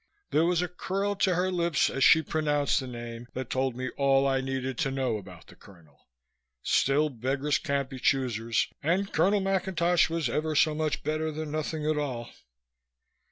There was a curl to her lips as she pronounced the name that told me all I needed to know about the colonel. Still, beggars can't be choosers and Colonel McIntosh was ever so much better than nothing at all.